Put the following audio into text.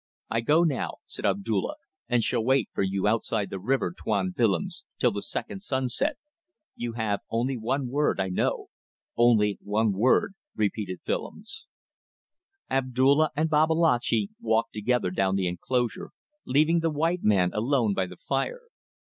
"I go now," said Abdulla, "and shall wait for you outside the river, Tuan Willems, till the second sunset. You have only one word, I know." "Only one word," repeated Willems. Abdulla and Babalatchi walked together down the enclosure, leaving the white man alone by the fire.